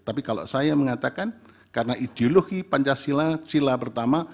tapi kalau saya mengatakan karena ideologi pancasila sila pertama